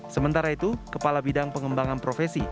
sementara itu kepala bidang pengembangan profesi